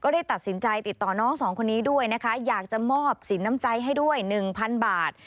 ได้ตัดสินใจติดต่อน้องสองคนนี้ด้วยนะคะอยากจะมอบสินน้ำใจให้ด้วย๑๐๐บาท